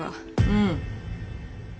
うん。